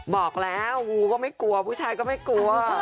บอกแล้วงูก็ไม่กลัวผู้ชายก็ไม่กลัว